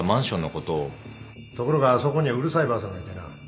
ところがあそこにはうるさいばあさんがいてな